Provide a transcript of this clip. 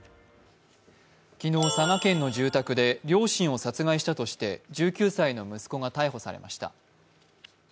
昨日、佐賀県の住宅で両親を殺害したとして１９歳の息子が逮捕されました。